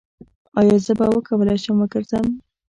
ایا زه به وکولی شم وګرځم؟